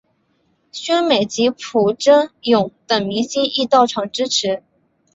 宣美及朴轸永等明星亦到场支持。